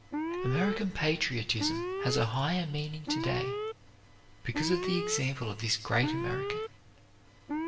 American patriotism has a higher meaning to day, because of the example of this great American.